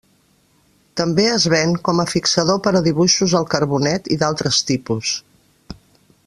També es ven com a fixador per a dibuixos al carbonet i d'altres tipus.